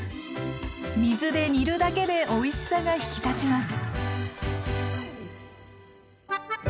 水で煮るだけでおいしさが引き立ちます。